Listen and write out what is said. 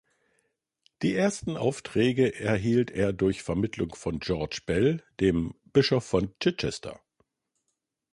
Die ersten Aufträge erhielt er durch Vermittlung von George Bell, dem Bischof von Chichester.